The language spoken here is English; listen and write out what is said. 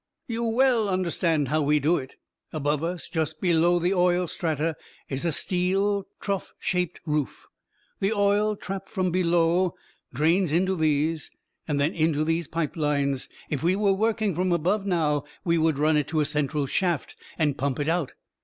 "You well understand how we do it. Above us, just below the oil strata, is a steel, trough shaped roof. The oil, tapped from below, drains into these, and then into these pipe lines. If we were working from above, now, we would run it to a central shaft, and pump it out.